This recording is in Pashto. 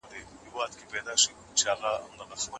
د انقلاب متن بايد په سنجيدګۍ سره ولوستل سي.